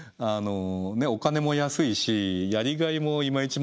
お金も安いしやりがいもいまいち